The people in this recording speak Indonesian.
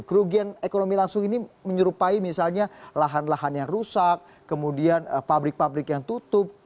kerugian ekonomi langsung ini menyerupai misalnya lahan lahan yang rusak kemudian pabrik pabrik yang tutup